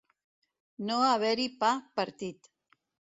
No haver-hi pa partit.